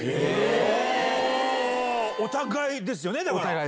お互いですね。